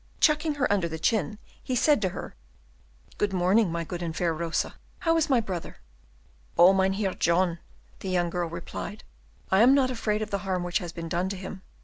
Chucking her under the chin, he said to her, "Good morning, my good and fair Rosa; how is my brother?" "Oh, Mynheer John!" the young girl replied, "I am not afraid of the harm which has been done to him.